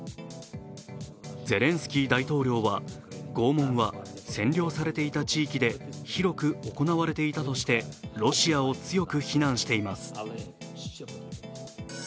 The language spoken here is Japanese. ゼレンスキー大統領は拷問は占領されていた地域で広く行われていたとして、ロシアを強く非難しています。